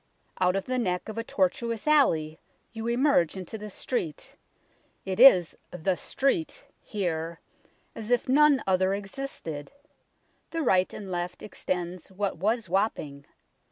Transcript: Out of the neck of a tortuous alley you emerge into the street it is " the Street " here, as if none other existed and right and left extends what was Wapping.